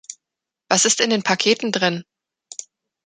Was ist in den Paketen drin?